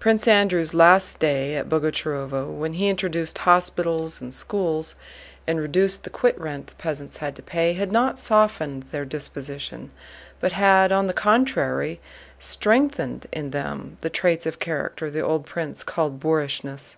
Prince Andrew's last stay at Boguchárovo, when he introduced hospitals and schools and reduced the quitrent the peasants had to pay, had not softened their disposition but had on the contrary strengthened in them the traits of character the old prince called boorishness.